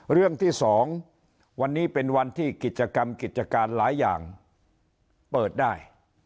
เรื่องที่๒วันนี้เป็นวันที่กิจกรรมกิจการหลายอย่างเปิดได้